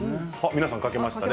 皆さん書けましたね